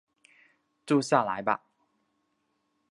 住下来吧